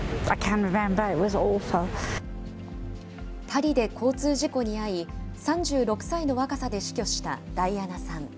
パリで交通事故に遭い、３６歳の若さで死去したダイアナさん。